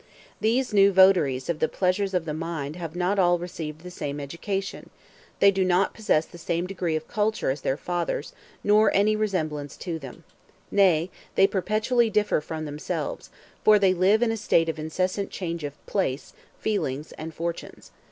These new votaries of the pleasures of the mind have not all received the same education; they do not possess the same degree of culture as their fathers, nor any resemblance to them nay, they perpetually differ from themselves, for they live in a state of incessant change of place, feelings, and fortunes.